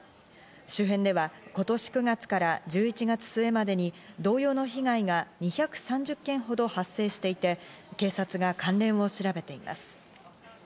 周辺では今年９月から１１月末までに同様の被害が２３０件ほど発生して、警察が関連を調べています。